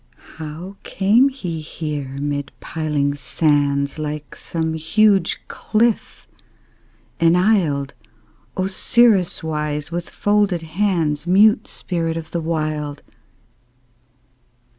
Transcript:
How came he here mid piling sands, Like some huge cliff enisled, Osiris wise, with folded hands, Mute spirit of the Wild?